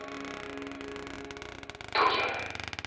時がない。